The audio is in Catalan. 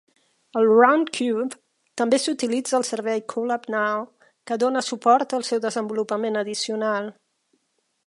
El Roundcube també s'utilitza al servei Kolab Now, que dona suport al seu desenvolupament addicional.